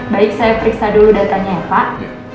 baik saya periksa dulu datanya ya pak